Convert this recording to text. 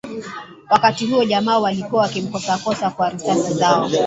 Wakati huo jamaa walikuwa wakimkosa kosa kwa risasi zao